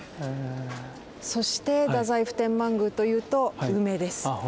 そして太宰府天満宮というと梅です。